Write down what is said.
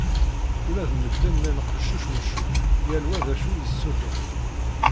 Ula d medden llan qeccuc meccuc, yal wa d acu yessutur.